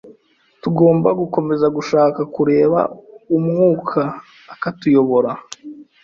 Tugomba gukomeza gushaka kureka Umwuka akatuyobora